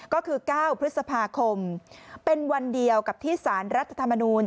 ก็คือ๙พฤษภาคมเป็นวันเดียวกับที่สารรัฐธรรมนูล